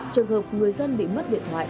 trường hợp người dân bị mất điện thoại